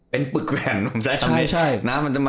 เป็นปึกแห่ง